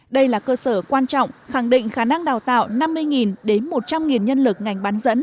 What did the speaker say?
đây là cơ sở quan trọng khẳng định khả năng đào tạo năm mươi đến một trăm linh nhân lực ngành bán dẫn